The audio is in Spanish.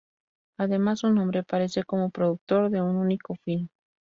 Además, su nombre aparece como productor de un único film.